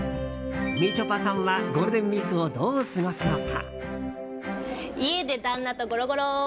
みちょぱさんはゴールデンウィークをどう過ごすのか。